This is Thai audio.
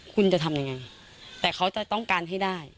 คุณจะทำยังไงแต่เขาจะต้องการให้ได้